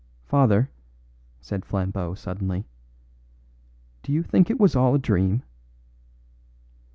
"Father," said Flambeau suddenly, "do you think it was all a dream?"